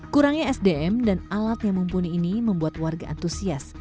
kurangnya sdm dan alat yang mumpuni ini membuat warga antusias